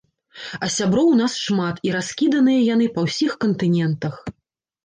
А сяброў у нас шмат, і раскіданыя яны па ўсіх кантынентах.